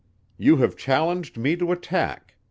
You have challenged me to attack.